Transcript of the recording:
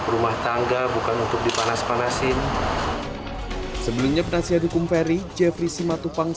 rumah tangga bukan untuk dipanas panasin sebelumnya penasihat hukum ferry jeffrey simatupang